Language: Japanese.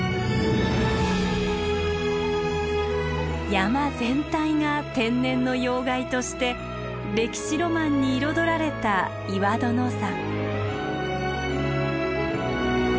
山全体が天然の要害として歴史ロマンに彩られた岩殿山。